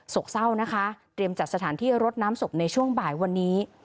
กเศร้านะคะเตรียมจัดสถานที่รดน้ำศพในช่วงบ่ายวันนี้